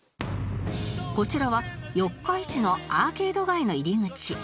こちらは四日市のアーケード街の入り口